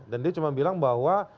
dan dia cuma bilang bahwa